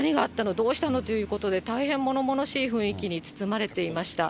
どうしたの？ということで、大変ものものしい雰囲気に包まれていました。